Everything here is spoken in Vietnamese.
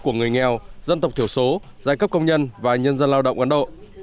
của người nghèo dân tộc thiểu số giai cấp công nhân và nhân dân lao động ấn độ